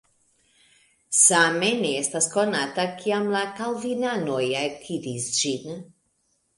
Same ne estas konata, kiam la kalvinanoj akiris ĝin.